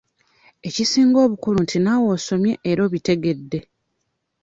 Ekisinga obukulu nti naawe osomye era obitegedde.